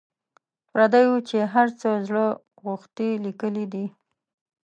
پردیو چي هر څه زړه غوښتي لیکلي دي.